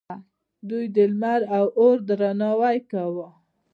دوی د لمر او اور درناوی کاوه